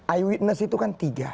eyewitness itu kan tiga